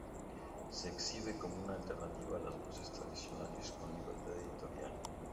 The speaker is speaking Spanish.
Se exhibe como una alternativa a las voces tradicionales, con libertad editorial.